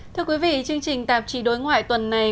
thưa quý vị chương trình tạp chí đối ngoại tuần này